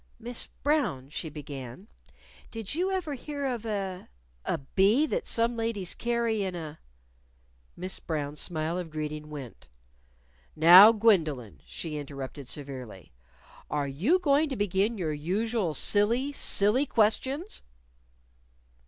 "Miss Brown," she began, "did you ever hear of a a bee that some ladies carry in a " Miss Brown's smile of greeting went. "Now, Gwendolyn," she interrupted severely, "are you going to begin your usual silly, silly questions?"